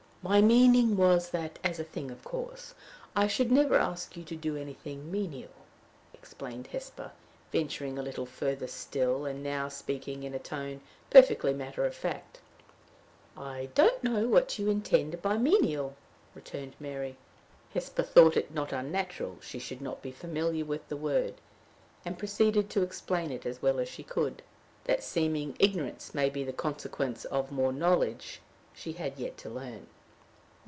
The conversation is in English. "My meaning was, that, as a thing of course, I should never ask you to do anything menial," explained Hesper, venturing a little further still, and now speaking in a tone perfectly matter of fact. "I don't know what you intend by menial," returned Mary. Hesper thought it not unnatural she should not be familiar with the word, and proceeded to explain it as well as she could. That seeming ignorance may be the consequence of more knowledge, she had yet to learn.